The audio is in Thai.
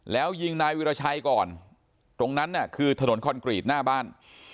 แล้วยิงนายวิราชัยก่อนตรงนั้นน่ะคือถนนคอนกรีตหน้าบ้าน